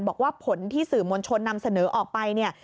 บอกว่าผลที่สื่อมรชนนำเสนอออกไป